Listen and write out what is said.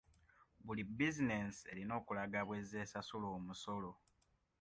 Buli bizinensi erina okulaga bw'ezze esasula omusolo.